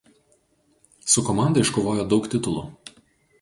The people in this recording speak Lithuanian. Su komanda iškovojo daug titulų.